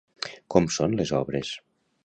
Com són les obres?